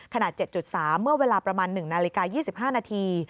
๗๓เมื่อเวลาประมาณ๑นาฬิกา๒๕นาที